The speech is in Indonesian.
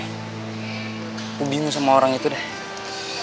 aku bingung sama orang itu deh